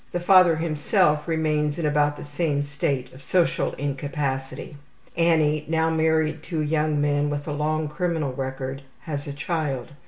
The father himself remains in about the same state of social incapacity. Annie, now married to a young man with a long criminal record, has a child.